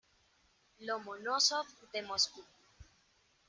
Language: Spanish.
Lomonósov de Moscú.